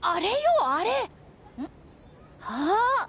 あっ！